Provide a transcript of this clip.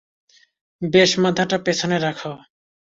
বেশ, মাথাটা পেছনে রাখো।